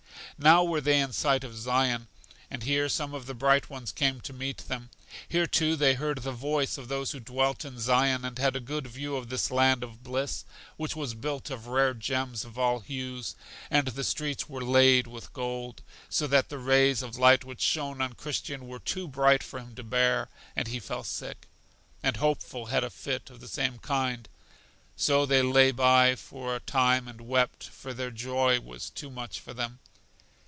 Now were they in sight of Zion, and here some of the Bright Ones came to meet them. Here, too, they heard the voice of those who dwelt in Zion, and had a good view of this land of bliss, which was built of rare gems of all hues, and the streets were laid with gold. So that the rays of light which shone on Christian were too bright for him to bear, and he fell sick, and Hopeful had a fit of the same kind. So they lay by for a time, and wept, for their joy was too much for them.